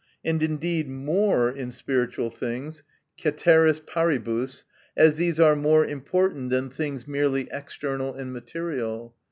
And indeed more in spiritual things {cateris paribus), as these are more important than things merely external and material.